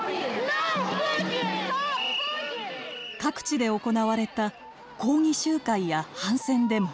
各地で行われた抗議集会や反戦デモ。